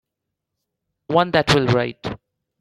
One that will write.